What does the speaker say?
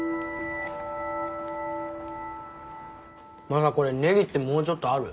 マサこれネギってもうちょっとある？